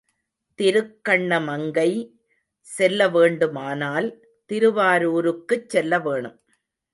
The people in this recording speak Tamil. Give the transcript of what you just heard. திருக்கண்ணமங்கை செல்லவேண்டுமானால், திருவாரூருக்குச் செல்ல வேணும்.